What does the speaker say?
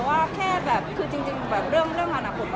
ไม่ใช่ค่ะแต่ว่าแค่แบบคือจริงแบบเรื่องอนาคตก็แบบเราก็ไม่รู้